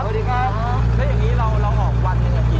สวัสดีครับแล้วอย่างนี้เราเราออกวันหนึ่งเหรอพี่